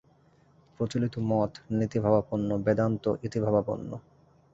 প্রচলিত মত নেতিভাবাপন্ন, বেদান্ত ইতিভাবাপন্ন।